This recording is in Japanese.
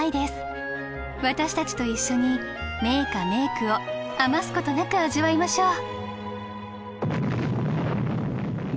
私たちと一緒に名歌・名句を余すことなく味わいましょう。